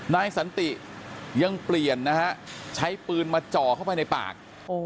นายสันติยังเปลี่ยนนะฮะใช้ปืนมาจ่อเข้าไปในปาก